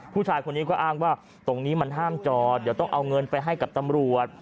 ผู้ชายคนนี้ก็อ้างว่าตรงนี้มันห้ามจอดเดี๋ยวต้องเอาเงินไปให้กับตำรวจ